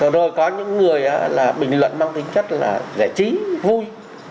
rồi có những người là bình luận mang tính chất là giải trí vui